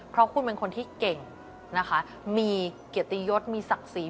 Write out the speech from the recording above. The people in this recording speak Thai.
เพราะคุณเป็นคนที่เก่งนะคะมีเกียรติยศมีศักดิ์ศรี